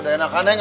udah enakan nenek